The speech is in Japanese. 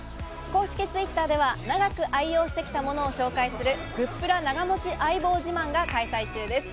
公式Ｔｗｉｔｔｅｒでは長く愛用して来たものを紹介する「グップラ長持ち相棒自慢」が開催中です。